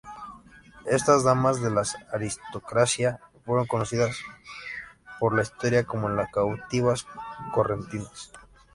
Estas damas de la aristocracia fueron conocidas por la historia como las Cautivas correntinas.